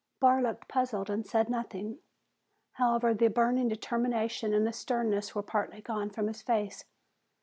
Barr looked puzzled and said nothing. However, the burning determination and the sternness were partly gone from his face.